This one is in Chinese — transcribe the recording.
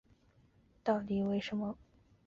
杜预认为知盈是知朔的弟弟。